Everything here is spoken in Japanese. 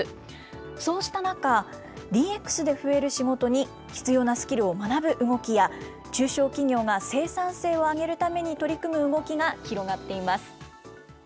そうした中、ＤＸで増える仕事に必要なスキルを学ぶ動きや、中小企業が生産性を上げるために取り組む動きが広がっています。